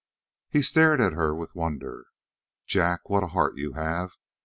He stared at her with wonder. "Jack, what a heart you have!